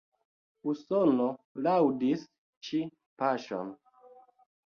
Usono laŭdis ĉi paŝon.